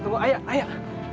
tunggu ayah ayah